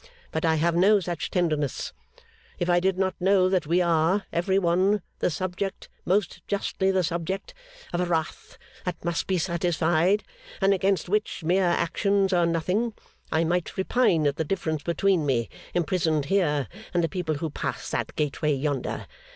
But I have no such tenderness. If I did not know that we are, every one, the subject (most justly the subject) of a wrath that must be satisfied, and against which mere actions are nothing, I might repine at the difference between me, imprisoned here, and the people who pass that gateway yonder.